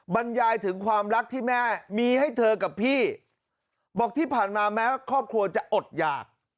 บรรยายถึงความรักที่แม่มีให้เธอกับพี่บอกที่ผ่านมาแม้ว่าครอบครัวจะอดหยาก